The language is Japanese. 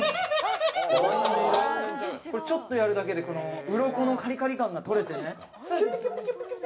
ちょっとやるだけでウロコのカリカリ感じとれてね。